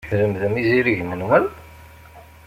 Tlemdem izirigen-nwen?